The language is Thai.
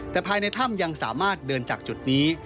แต่ภายในถ้ำยังสามารถเดินจากจุดนี้